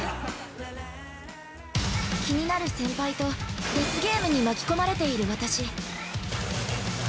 ◆気になる先輩とデスゲームに巻き込まれている私。